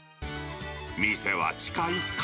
店は地下１階。